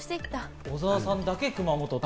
小澤さんだけ熊本。